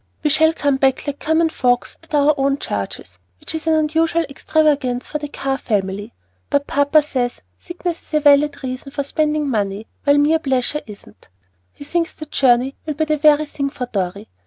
We shall come back like common folks at our own charges, which is an unusual extravagance for the Carr family; but papa says sickness is a valid reason for spending money, while mere pleasure isn't. He thinks the journey will be the very thing for Dorry.